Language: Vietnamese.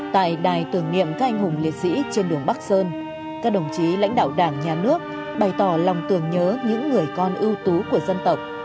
tại đài tưởng niệm các anh hùng liệt sĩ trên đường bắc sơn các đồng chí lãnh đạo đảng nhà nước bày tỏ lòng tưởng nhớ những người con ưu tú của dân tộc